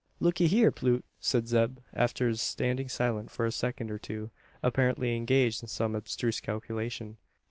"Look'ee hyur, Plute," said Zeb, after standing silent for a second or two, apparently engaged in some abstruse calculation.